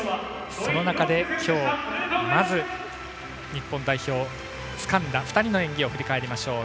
その中で今日、まず日本代表をつかんだ２人の演技を振り返りましょう。